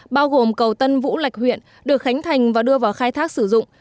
bao gồm cầu tân vũ lạch huyện được khánh thành và đưa vào khai thác sử dụng